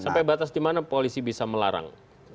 sampai batas dimana polisi bisa melarang